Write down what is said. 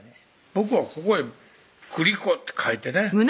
僕はここへ「グリコ」って書いてね